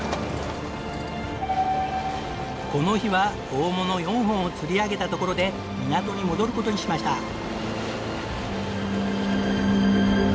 この日は大物４本を釣り上げたところで港に戻る事にしました。